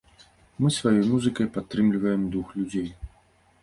Мы сваёй музыкай падтрымліваем дух людзей.